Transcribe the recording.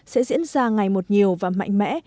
sẽ diễn ra ngày một nhiều và mạnh mẽ